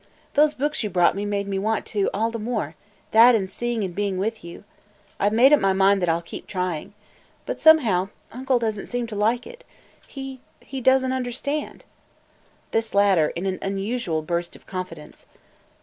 Those books you brought me made me want to all the more – that and seeing and being with you. I 've made up my mind that I 'll keep trying. But somehow – uncle does n't seem to like it. He – he does n't understand!" This latter in an unusual burst of confidence.